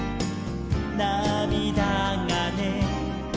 「なみだがね」